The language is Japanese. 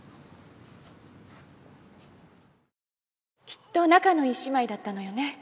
きっと仲のいい姉妹だったのよね？